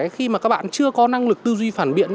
khi mà các bạn chưa có năng lực tư duy phản biện